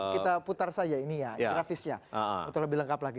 kita putar saja ini ya grafisnya untuk lebih lengkap lagi